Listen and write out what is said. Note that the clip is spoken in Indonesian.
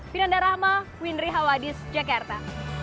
binanda rahma winry hawadis jakarta